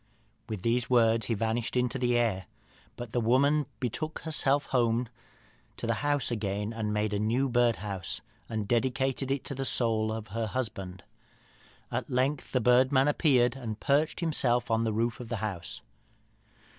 "With these words he vanished into the air. But the woman betook herself home to the house again, made a new birdhouse, and dedicated it to the soul of her husband. At length the bird man appeared and perched himself on the roof of the house."